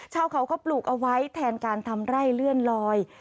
เขาก็ปลูกเอาไว้แทนการทำไร่เลื่อนลอย